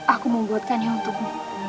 aku membuatkannya untukmu